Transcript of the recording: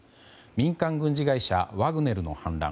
民間軍事会社ワグネルの反乱。